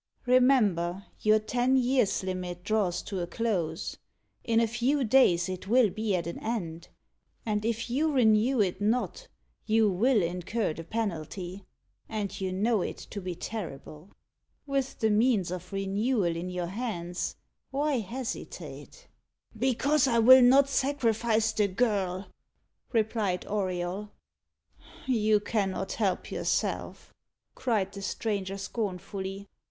"Remember, your ten years' limit draws to a close. In a few days it will be at an end; and if you renew it not, you will incur the penalty, and you know it to be terrible. With the means of renewal in your hands, why hesitate?" "Because I will not sacrifice the girl," replied Auriol. "You cannot help yourself," cried the stranger scornfully.